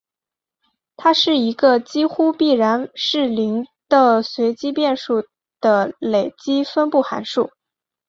它是一个几乎必然是零的随机变数的累积分布函数。